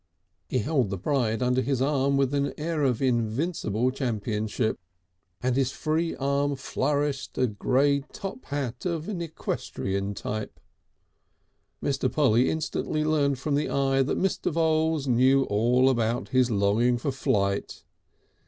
He held the bride under his arm with an air of invincible championship, and his free arm flourished a grey top hat of an equestrian type. Mr. Polly instantly learnt from the eye that Mr. Voules knew all about his longing for flight.